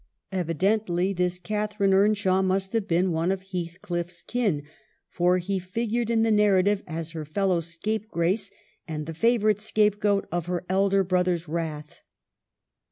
Evidently this Catharine Earnshaw must have been one of Heathcliffs kin, for he figured in the narrative as her fellow scapegrace, and the favorite scapegoat of her elder brother's wrath.